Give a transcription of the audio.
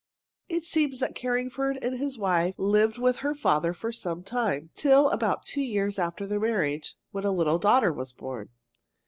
It seems that Carringford and his wife lived with her father for some time till about two years after their marriage, when a little daughter was born.